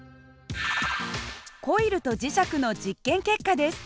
コイルと磁石の実験結果です。